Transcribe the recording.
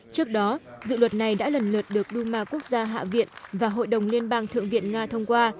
trước đó dự luật này đã lần lượt được duma quốc gia hạ viện và hội đồng liên bang thượng viện nga thông qua